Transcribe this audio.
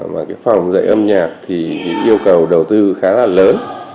mà phòng dạy âm nhạc thì yêu cầu đầu tư khá là lớn